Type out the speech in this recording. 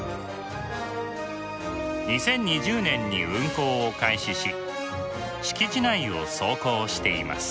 ２０２０年に運行を開始し敷地内を走行しています。